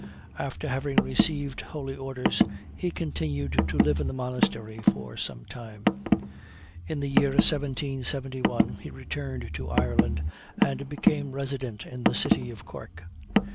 After having received holy orders, he continued to live in the monastery for some time. In the year 1771 he returned to Ireland, and became resident in the city of Cork.